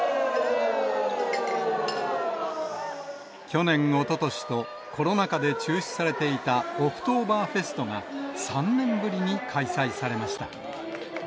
去年、おととしとコロナ禍で中止されていたオクトーバーフェストが、３年ぶりに開催されました。